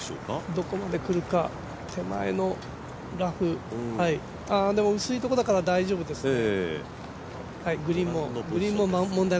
どこまで来るか、手前のラフ、でも薄いところだから大丈夫ですね。